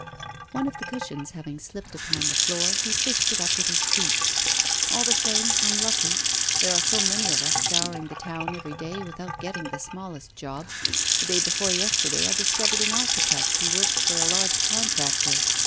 One of the cushions having slipped upon the floor, he fished it up with his feet. 'All the same, I'm lucky. There are so many of us scouring the town every day without getting the smallest job. The day before yesterday I discovered an architect who works for a large contractor.